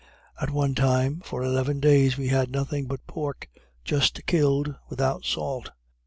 At one time, for eleven days, we had nothing but pork, just killed, without salt.